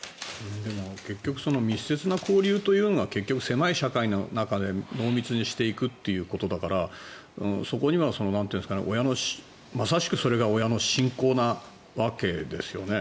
でも結局密接な交流というのは結局、狭い社会の中で濃密にしていくっていうことからそこにはまさしくそれが親の信仰なわけですよね。